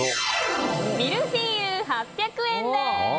ミルフィーユ、８００円です。